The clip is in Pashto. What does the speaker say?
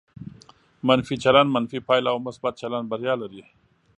منفي چلند منفي پایله او مثبت چلند بریا لري.